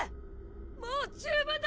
もう十分だ！！